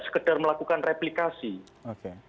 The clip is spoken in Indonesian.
sekedar melakukan replikasi oke